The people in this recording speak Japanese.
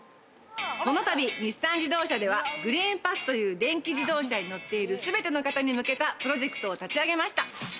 このたび、日産自動車ではＧＲＥＥＮＰＡＳＳという電気自動車に乗っているすべての方に向けたプロジェクトを立ち上げました。